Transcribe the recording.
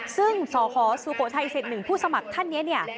ซึ่งสคสุโขทัยส๑ผู้สมัครท่านเนี่ย